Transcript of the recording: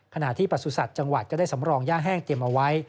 ขณะที่ประสุทธิ์จังหวัดก็ได้สำรองย่าแห้งเตรียมเอาไว้